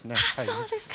そうですか。